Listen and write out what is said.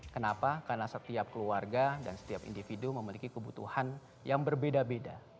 kenapa karena setiap keluarga dan setiap individu memiliki kebutuhan yang berbeda beda